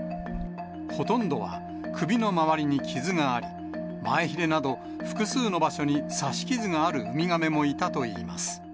ほとんどは首の周りに傷があり、前ひれなど複数の場所に刺し傷があるウミガメもいたといいます。